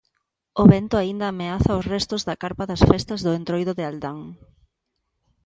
O vento aínda ameaza os restos da carpa das festas do entroido de Aldán.